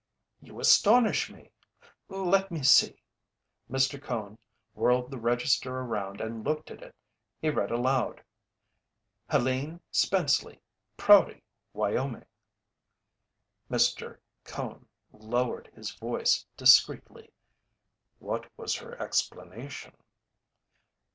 "You astonish me! Let me see " Mr. Cone whirled the register around and looked at it. He read aloud: "Helene Spenceley Prouty, Wyoming." Mr. Cone lowered his voice discreetly: "What was her explanation?"